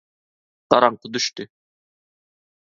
Garaňky düşdi.